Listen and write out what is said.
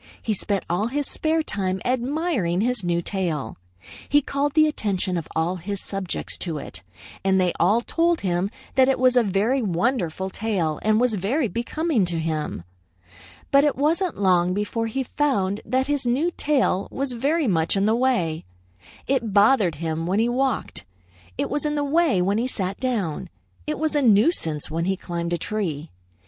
He spent all his spare time admiring his new tail. He called the attention of all his subjects to it, and they all told him that it was a very wonderful tail and was very becoming to him. But it wasn't long before he found that his new tail was very much in the way. It bothered him when he walked. It was in the way when he sat down. It was a nuisance when he climbed a tree.